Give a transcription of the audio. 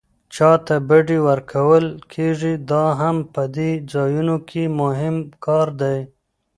چاته بډې ورکول کېږي دا هم په دې ځایونو کې مهم کار دی.